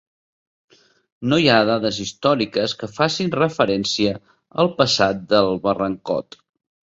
No hi ha dades històriques que facin referència al passat del Barrancot.